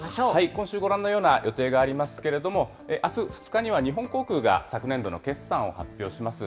今週、ご覧のような予定がありますけれども、あす２日には、日本航空が昨年度の決算を発表します。